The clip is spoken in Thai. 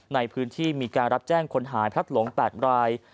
ในพื้นที่มีการรับแจ้งคนหายพลัดหลง๘ราย